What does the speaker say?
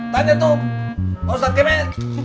tanya tuh pak ustad kemen